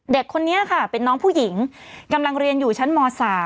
เด็กคนนี้ค่ะเป็นน้องผู้หญิงกำลังเรียนอยู่ชั้นม๓